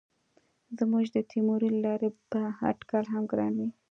زموږ د تیورۍ له لارې به اټکل هم ګران وي.